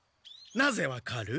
なぜわかる？